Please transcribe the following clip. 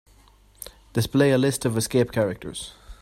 Display a list of escape characters.